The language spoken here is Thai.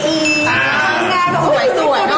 มีการลุ้นให้ดูสวยด้วย